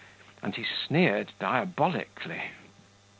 And he sneered diabolically.